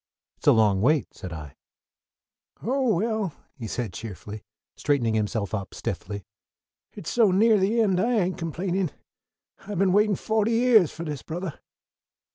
"It's a long wait," said I. "Oh, well," he said cheerfully, straightening himself up stiffly, "it's so near the end I ain't complainin'. I been waitin' fohty yeahs for this, Brother."